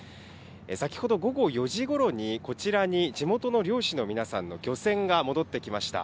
先ほど午後４時ごろに、こちらに地元の漁師の皆さんの漁船が戻ってきました。